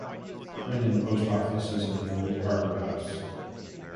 Crinan Post Office is in the old Harbour House.